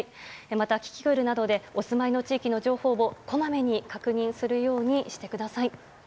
また、キキクルなどでお住まいの地域の情報をこまめに確認するようにしてください。